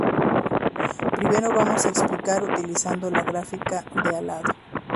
Primero vamos a explicar utilizando la gráfica de al lado.